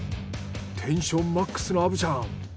テンションマックスの虻ちゃん